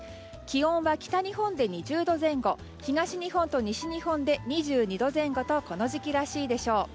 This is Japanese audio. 気温は北日本で２０度前後東日本と西日本で２２度前後とこの時期らしいでしょう。